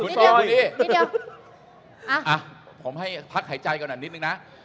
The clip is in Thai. นี่เดียวอ่ะอ่ะผมให้พักหายใจก่อนหน่ะนิดหนึ่งน่ะ